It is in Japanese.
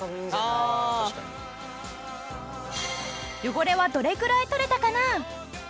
汚れはどれくらい取れたかな？